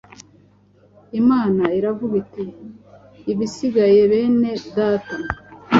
Imana iravuga iti: Ibisigaye bene Data,